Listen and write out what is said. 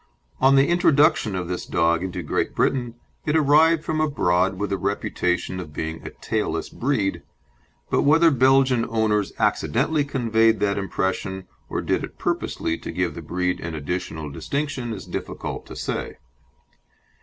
On the introduction of this dog into Great Britain it arrived from abroad with the reputation of being a tailless breed, but whether Belgian owners accidentally conveyed that impression or did it purposely to give the breed an additional distinction is difficult to say.